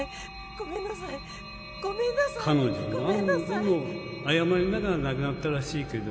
彼女何度も謝りながら亡くなったらしいけど